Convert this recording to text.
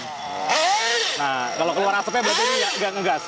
nah kalau keluar asepnya berarti ini nggak nge gas